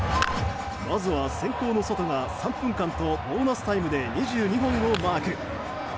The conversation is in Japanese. まずは先攻のソトが３分間とボーナスタイムで２２本をマーク。